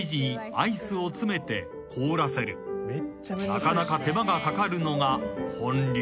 ［なかなか手間が掛かるのが本流］